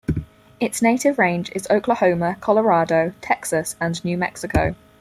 Its native range is Oklahoma, Colorado, Texas, and New Mexico.